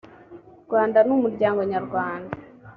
rwanda ni umuryango nyarwanda